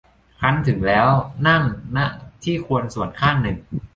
ครั้นถึงแล้ว นั่ง ณ ที่ควรส่วนข้างหนึ่ง